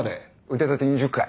腕立て２０回。